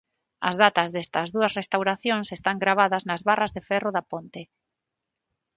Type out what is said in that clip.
As datas destas dúas restauracións están gravadas nas barras de ferro da ponte.